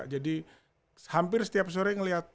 jadi hampir setiap sore ngeliat